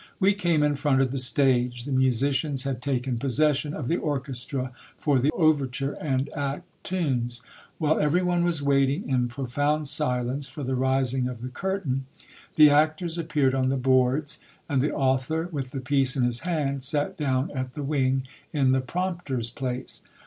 We came in front of the stage ; the musicians had taken possession of the orchestra, for the overture and act tunes. While every one was waiting in profound silence for the rising of the curtain, the actors appeared on the boards ; and the author, with the piece in his hand, sat down at the wing, in the prompter's place.